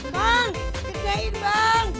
bang gedein bang